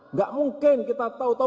nggak mungkin kita tahu tahu